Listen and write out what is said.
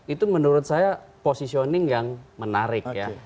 itu menurut saya positioning yang menarik ya